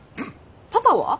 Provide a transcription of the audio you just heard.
パパは？